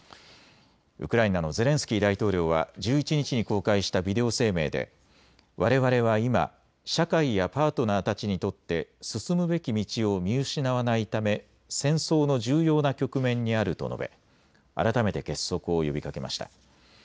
ウクライナのゼレンスキー大統領は１１日に公開したビデオ声明でわれわれは今、社会やパートナーたちにとって進むべき道を見失わないため戦争の重要な局面にあると述べ改めて結束を呼びかけました。